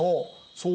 そう？